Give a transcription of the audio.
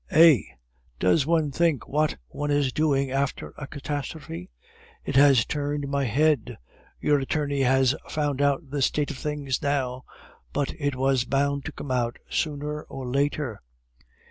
"Eh! does one think what one is doing after a catastrophe? It has turned my head. Your attorney has found out the state of things now, but it was bound to come out sooner or later.